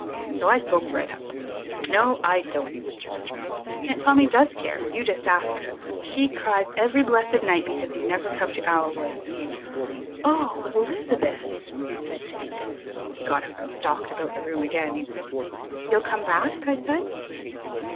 So I spoke right up. "No, I don't, Mr. Richmond; Aunt Tommy does care you just ask her. She cries every blessed night because you never come to Owlwood." "Oh, Elizabeth!" said Dick. He got up and stalked about the room again. "You'll come back?" I said.